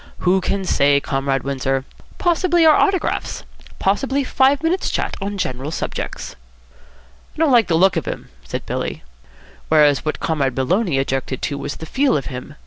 "Who can say, Comrade Windsor? Possibly our autographs. Possibly five minutes' chat on general subjects." "I don't like the look of him," said Billy. "Whereas what Comrade Maloney objected to was the feel of him.